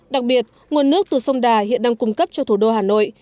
đặc biệt nguồn nước từ sông đà hiện đang cung cấp cho thủ đô hà nội